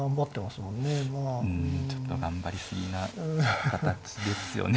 ちょっと頑張り過ぎな形ですよね